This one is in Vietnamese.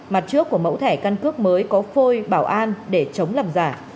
mặt trước của mẫu thẻ căn cước mới có phôi bảo an để chống làm giả